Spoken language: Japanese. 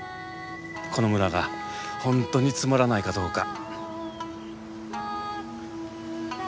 この村が本当につまらないかどうか。